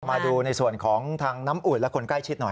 มาดูในส่วนของทางน้ำอุ่นและคนใกล้ชิดหน่อย